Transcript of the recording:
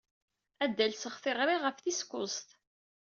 Ad d-alseɣ tiɣri ɣef tis kuẓet.